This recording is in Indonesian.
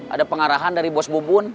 ada pengarahan dari bos bubun